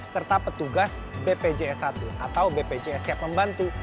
serta petugas bpjs satu atau bpjs siap membantu